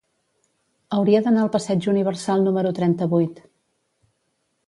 Hauria d'anar al passeig Universal número trenta-vuit.